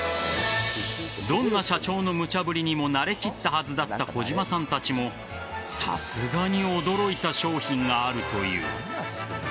どんな社長の無茶ぶりにも慣れきったはずだった小島さんたちもさすがに驚いた商品があるという。